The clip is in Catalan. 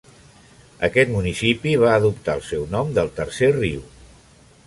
Aquest municipi va adoptar el seu nom del Tercer Riu.